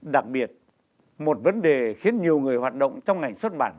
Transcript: đặc biệt một vấn đề khiến nhiều người hoạt động trong ngành xuất bản